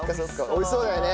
美味しそうだよね。